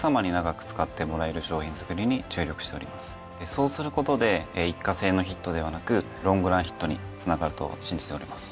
そうすることで一過性のヒットではなくロングランヒットにつながると信じております。